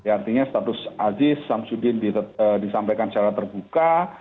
artinya status aziz samsudin disampaikan secara terbuka